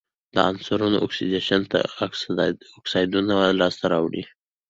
د عنصرونو اکسیدیشن تل اکسایدونه لاسته راوړي.